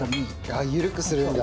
あっ緩くするんだ。